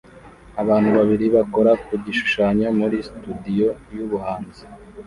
Abantu babiri bakora ku gishushanyo muri studio yubuhanzi